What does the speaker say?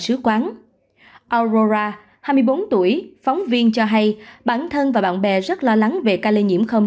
sứ quán aurora hai mươi bốn tuổi phóng viên cho hay bản thân và bạn bè rất lo lắng về ca lây nhiễm không